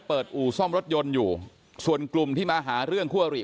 ก็ได้รู้สึกว่ามันกลายเป้าหมายและมันกลายเป้าหมาย